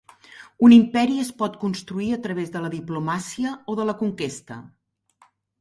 Un imperi es pot construir a través de la diplomàcia o de la conquesta.